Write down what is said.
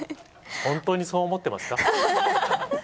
本当にそう思ってますか？